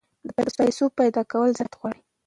د پیسو پیدا کول زحمت غواړي.